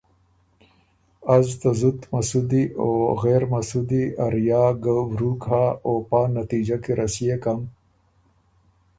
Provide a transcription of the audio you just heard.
از ته زُت مسُودی او غېر مسُودی ا ریا ګۀ ورُوک هۀ او پا نتیجۀ کی رسيېکم